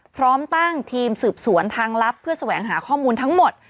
พร้อมตั้งทีมสืบสวนทางลับเพื่อแสวงหาข้อมูลทั้งหมด